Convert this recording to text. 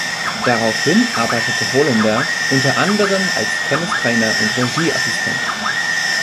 Daraufhin arbeitete Holender unter anderem als Tennistrainer und Regieassistent.